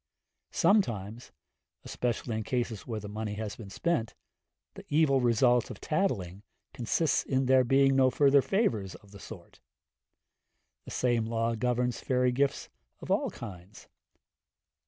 Sometimes especially in cases where the money has been spent the evil result of tattling consists in there being no further favours of the sort. The same law governs fairy gifts of all kinds.